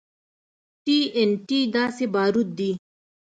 ټي ان ټي داسې باروت دي.